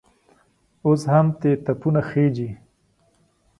اوس هم ترې تپونه خېژي.